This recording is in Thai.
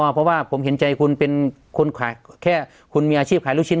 เพราะว่าผมเห็นใจคุณเป็นคนขายแค่คุณมีอาชีพขายลูกชิ้น